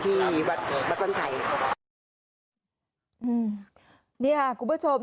นี่ครับคุณผู้ชม